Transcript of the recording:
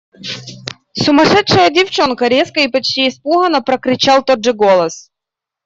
– Сумасшедшая девчонка! – резко и почти испуганно прокричал тот же голос.